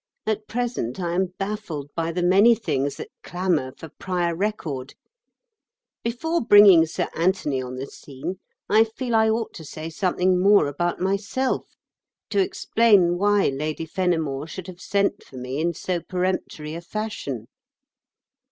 At present I am baffled by the many things that clamour for prior record. Before bringing Sir Anthony on the scene, I feel I ought to say something more about myself, to explain why Lady Fenimore should have sent for me in so peremptory a fashion.